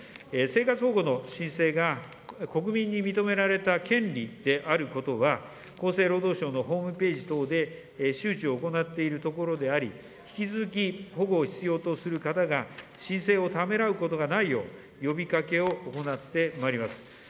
生活保護の申請が国民に認められた権利であることは、厚生労働省のホームページ等で周知を行っているところであり、引き続き保護を必要とする方が、申請をためらうことがないよう、呼びかけを行ってまいります。